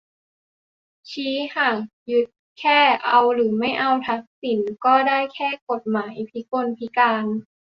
ชี้หากยึดแค่ เอาหรือไม่เอาทักษิณ ก็ได้แค่กฎหมายพิกลพิการ